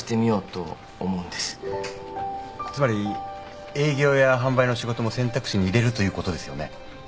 つまり営業や販売の仕事も選択肢に入れるということですよね。